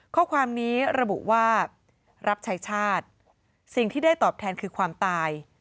ข้อความนี้ระบุว่ารับใช้ชาติสิ่งที่ได้ตอบแทนคือความตาย